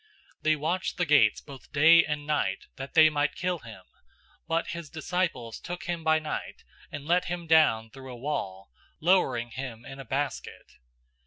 They watched the gates both day and night that they might kill him, 009:025 but his disciples took him by night, and let him down through the wall, lowering him in a basket.